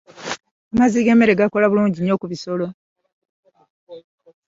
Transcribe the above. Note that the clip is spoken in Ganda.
Amazzi g'emmere gakola bulungi nnyo ku bisolo.